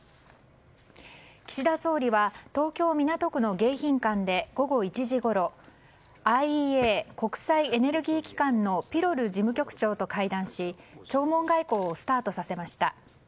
岸田総理は東京・港区の迎賓館で午後１時ごろＩＥＡ・国際エネルギー機関のピロル事務局長と会談し弔問外交をスタートさせました。